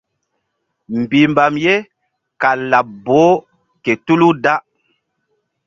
Mbihmbam ye kal laɓ boh ke tulu da.